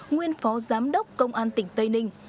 nguyên phó giám đốc công an tỉnh tây ninh